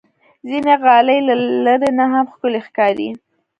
ځینې غالۍ له لرې نه هم ښکلي ښکاري.